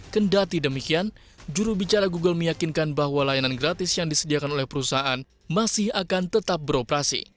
kendati demikian jurubicara google meyakinkan bahwa layanan gratis yang disediakan oleh perusahaan masih akan tetap beroperasi